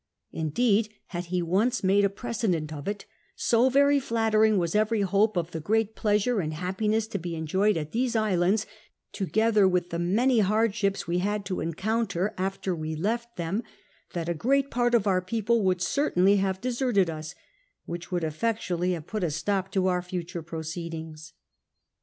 lnde.cd, had he once made a precedent of it, so very flatter ing was every hope of the great pleasure and happiness to be enjoyed at these islands, togcither with the many haitl ships we had to encounter after w'e left them, that a great j)art of our i)eople wouhl certainly have deserted us, whicli would elfectually have put a stop to our future i>roceeding8.